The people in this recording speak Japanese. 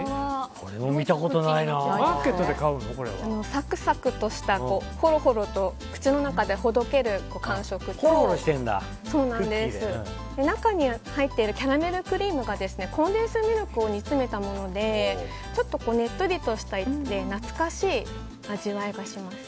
サクサクとした、ほろほろと口の中でほどける感触と中に入っているキャラメルクリームがコンデンスミルクを煮詰めたものでねっとりとした懐かしい味わいがします。